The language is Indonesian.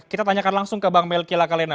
kita tanyakan langsung ke bang melki lakalena